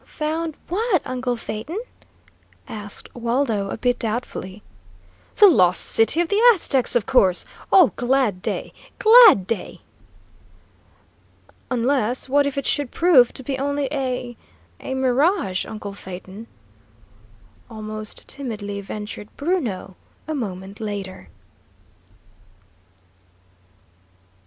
"Found what, uncle Phaeton?" asked Waldo, a bit doubtfully. "The Lost City of the Aztecs, of course! Oh, glad day, glad day!" "Unless what if it should prove to be only a a mirage, uncle Phaeton?" almost timidly ventured Bruno, a moment later.